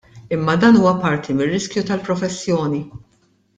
Imma dan huwa parti mir-riskju tal-professjoni!